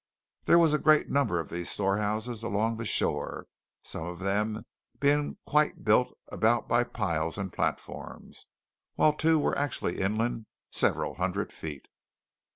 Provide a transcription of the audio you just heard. There was a great number of these storehouses along the shore, some of them being quite built about by piles and platforms, while two were actually inland several hundred feet.